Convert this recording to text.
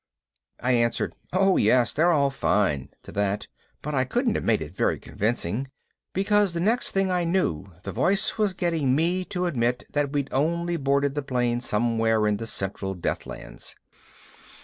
I answered, "Oh yes, they're all fine," to that, but I couldn't have made it very convincing, because the next thing I knew the voice was getting me to admit that we'd only boarded the plane somewhere in the Central Deathlands.